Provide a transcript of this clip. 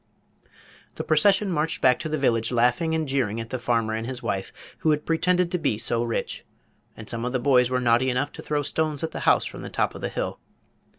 The procession marched back to the village laughing and jeering at the farmer and his wife, who had pretended to be so rich; and some of the boys were naughty enough to throw stones at the house from the top of the hill.